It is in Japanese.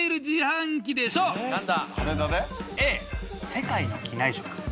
「Ａ世界の機内食」